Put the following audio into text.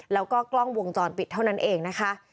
แล้วก็กล้องวงจรปิดเท่านั้นเองนะคะ